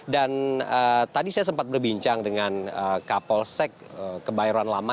dan tadi saya sempat berbincang dengan kapolsek kebayoran lama